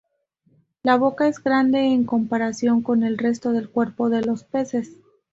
La boca es grande, en comparación con el resto del cuerpo de los peces.